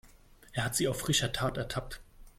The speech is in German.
Er hat sie auf frischer Tat ertappt.